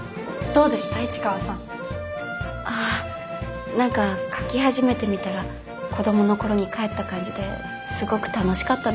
あ何か描き始めてみたら子どもの頃に返った感じですごく楽しかったです。